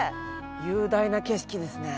雄大な景色ですね。